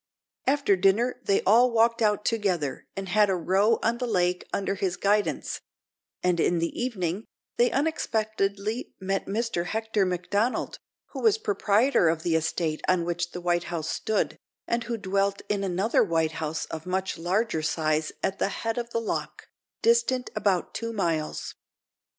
After dinner they all walked out together, and had a row on the lake under his guidance; and in the evening they unexpectedly met Mr Hector Macdonald, who was proprietor of the estate on which the White House stood, and who dwelt in another white house of much larger size at the head of the loch, distant about two miles.